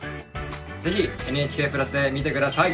ぜひＮＨＫプラスで見て下さい。